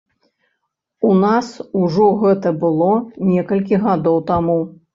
У нас ужо гэта было некалькі гадоў таму.